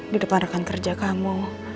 di depan rekan kerja kamu